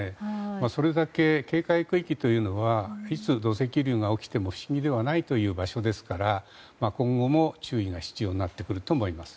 それだけ警戒区域というのはいつ土石流が起きても不思議ではないという場所ですから今後も注意が必要になってくると思います。